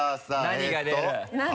何が出る？